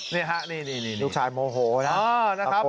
นี่ฮะนี่ลูกชายโมโหนะครับ